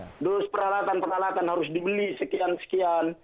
kemudian kegiatan kegiatan harus dibeli sekian sekian